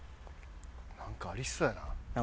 なんかありそうやな。